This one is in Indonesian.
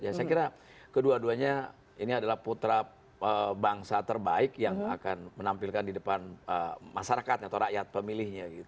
ya saya kira kedua duanya ini adalah putra bangsa terbaik yang akan menampilkan di depan masyarakat atau rakyat pemilihnya